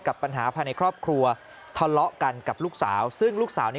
ปัญหาภายในครอบครัวทะเลาะกันกับลูกสาวซึ่งลูกสาวนี้